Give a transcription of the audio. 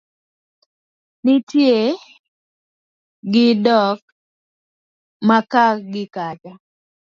nitie gi dok maka gi kacha